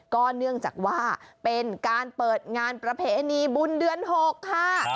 ก็เนื่องจากว่าเป็นการเปิดงานประเพณีบุญเดือน๖ค่ะ